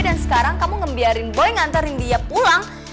dan sekarang kamu ngebiarin boy ngancarin dia pulang